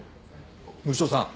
牛尾さん。